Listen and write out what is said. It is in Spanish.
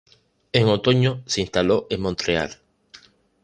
En otoño se instaló en Montreal.